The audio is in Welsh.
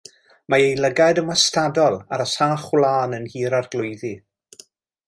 Mae ei lygad yn wastadol ar y sach wlân yn Nhŷ'r Arglwyddi.